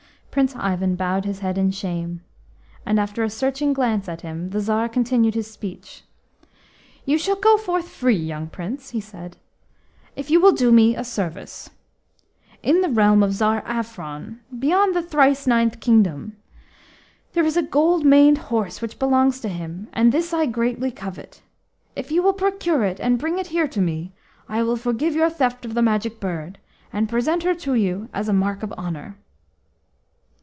Prince Ivan bowed his head in shame, and after a searching glance at him the Tsar continued his speech. "You shall go forth free, young Prince," he said, "if you will do me a service. In the realm of Tsar Afron, beyond the thrice ninth kingdom, there is a gold maned horse which belongs to him, and this I greatly covet. If you will procure it, and bring it here to me, I will forgive your theft of the Magic Bird, and present her to you as a mark of honour."